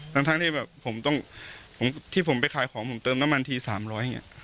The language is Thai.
เพราะฉะนั้นที่ผมไปขายของผมเติมน้ำมันทีสามซ้อน